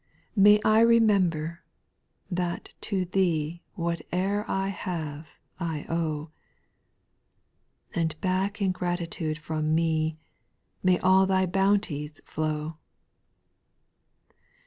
8. V May I remember, that to Thee Whate'er I have I owe ; And back in gratitude from me May all Thy bounties flow.